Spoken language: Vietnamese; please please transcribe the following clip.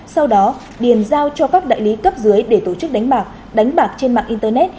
sau đó điền giao cho các đại lý cấp dưới để tổ chức đánh bạc đánh bạc trên mạng internet